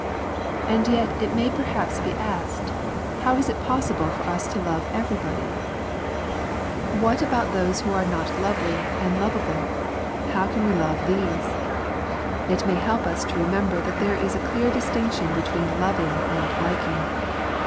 And yet it mav perhaps be asked, How is it 8 Grace and Holiness possible for us to love everybody ? What about those who are not lovely and lovable — hov^ can v^e love these ? It may help us to remember that there is a clear distinction between loving and liking.